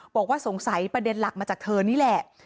บอกว่าสงสัยประเด็นหลักมาจากเธอนี่แหละ